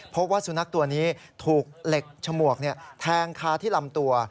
พบว่าสุนัขตัวนี้ถูกเหล็กฉมวกแทงคาที่ลำตัว